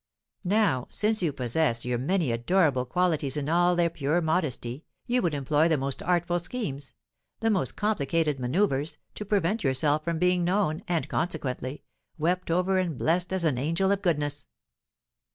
Now, since you possess your many adorable qualities in all their pure modesty, you would employ the most artful schemes, the most complicated manoeuvres, to prevent yourself from being known, and, consequently, wept over and blessed as an angel of goodness."